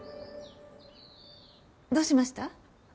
どうしました？